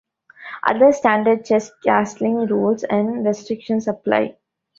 Other standard chess castling rules and restrictions apply.